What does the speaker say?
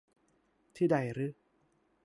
ที่ใดรึ ?